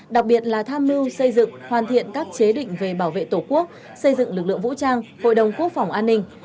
đặc biệt là tham mưu xây dựng hoàn thiện các chế định về bảo vệ tổ quốc xây dựng lực lượng vũ trang hội đồng quốc phòng an ninh